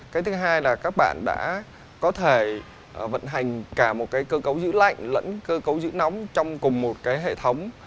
cái thứ hai là các bạn đã có thể vận hành cả một cái cơ cấu giữ lạnh lẫn cơ cấu giữ nóng trong cùng một cái hệ thống